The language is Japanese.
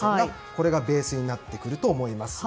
これがベースになってくると思います。